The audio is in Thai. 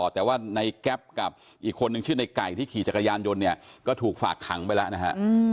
แต่ว่าในแก๊ปกับอีกคนนึงชื่อในไก่ที่ขี่จักรยานยนต์เนี่ยก็ถูกฝากขังไปแล้วนะฮะ